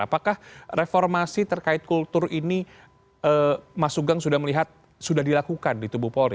apakah reformasi terkait kultur ini mas sugeng sudah melihat sudah dilakukan di tubuh polri